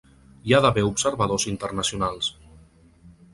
Hi ha d’haver observadors internacionals.